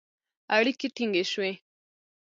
اړیکې ټینګې شوې